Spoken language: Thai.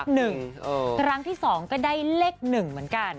ครั้งที่๒ก็ได้เลข๑เหมือนกัน